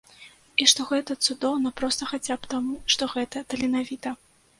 І што гэта цудоўна проста хаця б таму, што гэта таленавіта.